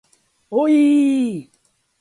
おいいい